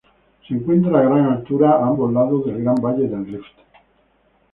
Se encuentra a gran altura a ambos lados del Gran Valle del Rift.